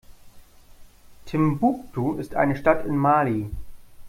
Timbuktu ist eine Stadt in Mali.